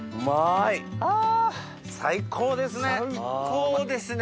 最高ですね！